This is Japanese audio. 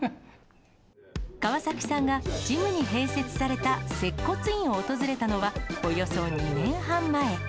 川崎さんがジムに併設された接骨院を訪れたのは、およそ２年半前。